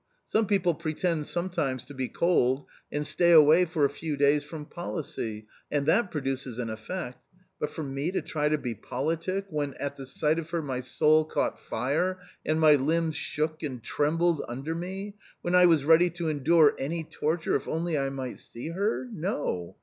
Some people pretend sometimes to be cold, and stay away for a few days from policy — and that produces an effect. But for me to try to be politic when, at the sight of her, my soul caught fire and my limbs shook and trembled under me, when I was ready to endure any torture, if only I might see her .... No